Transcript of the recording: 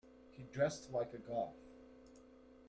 He dressed like a Goth.